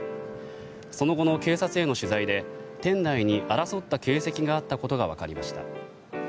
その後の警察への取材で店内に争った形跡があったことが分かりました。